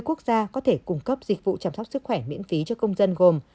các quốc gia đều có thể cấp dịch vụ chăm sóc sức khỏe miễn phí cho công dân gồm